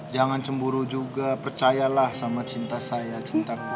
jangan cemburu juga percayalah sama cinta saya cintaku